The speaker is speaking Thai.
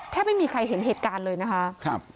ไม่มีใครเห็นเหตุการณ์เลยนะคะ